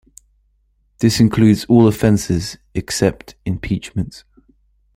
This includes all offenses except impeachment.